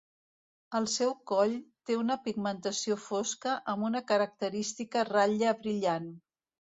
El seu coll té una pigmentació fosca amb una característica ratlla brillant.